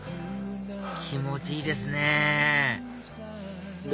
気持ちいいですねで